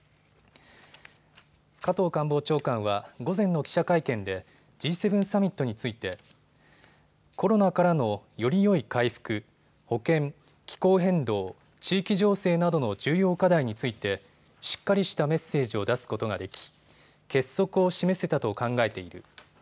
加藤官房長官は午前の記者会見でＧ７サミットについてコロナからの、よりよい回復、保健、気候変動、地域情勢などの重要課題についてしっかりしたメッセージを出すことができ結束を示せたと考えている。